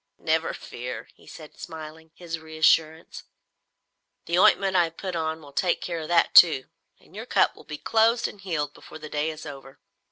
Never fear," he said smiling his reassurance, "the ointment I have put on will take care of that too, and your cut will be closed and healed before the day is over.